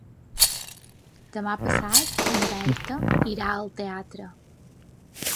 Demà passat na Berta irà al teatre.